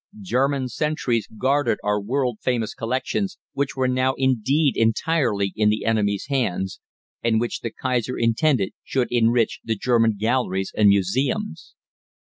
German sentries guarded our world famous collections, which were now indeed entirely in the enemy's hands, and which the Kaiser intended should enrich the German galleries and museums.